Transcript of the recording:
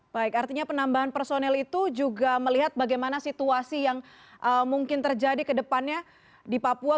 baik artinya penambahan personel itu juga melihat bagaimana situasi yang mungkin terjadi ke depannya di papua